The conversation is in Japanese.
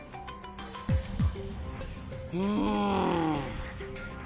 うん。